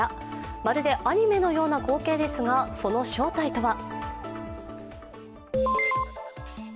まるでアニメのような光景ですが、その正体とは。